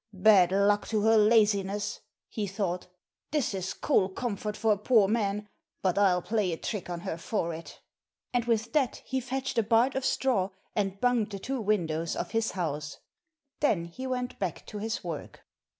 'Bad luck to her laziness,' he thought; 'this is coul comfort for a poor man, but I'll play a trick on her for it.' And with that he fetched a bart of straw and bunged the two windows of his house. Then he went back to his work.